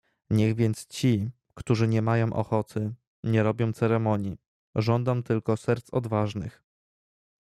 "Niech więc ci, którzy niemają ochoty, nie robią ceremonii; żądam tylko serc odważnych."